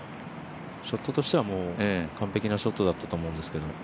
ショットとしては完璧なショットだったと思うんですけど。